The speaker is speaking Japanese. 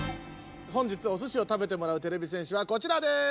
本日おすしを食べてもらうてれび戦士はこちらです！